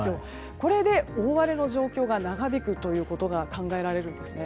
これで大荒れの状況が長引くということが考えられるんですね。